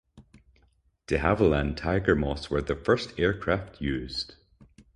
De Havilland Tiger Moths were the first aircraft used.